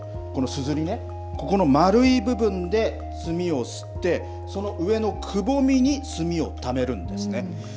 すずりねこの丸い部分で、墨をすってその上のくぼみに墨をためるんですね。